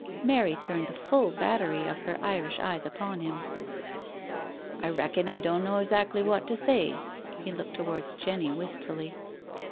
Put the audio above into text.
Mary turned the full battery of her Irish eyes upon him. '* I reckon I don' know exackly wot to say." He looked towards Jenny wistfully.